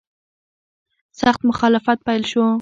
سخت مخالفت پیل شو.